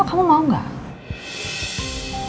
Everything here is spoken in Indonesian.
kamu mau gak